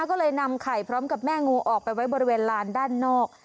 ก็เลยนำไข่พร้อมกับแม่งูออกไปไว้บริเวณลานด้านนอก